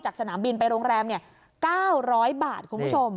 สนามบินไปโรงแรม๙๐๐บาทคุณผู้ชม